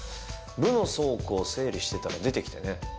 部の倉庫を整理してたら出て来てね。